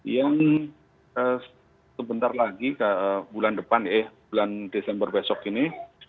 yang sebentar lagi bulan depan ya bulan desember besok ini